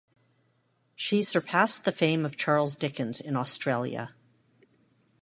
She surpassed the fame of Charles Dickens in Australia.